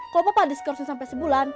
kalo papa diskorsnya sampe sebulan